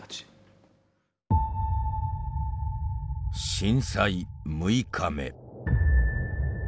震災６日目。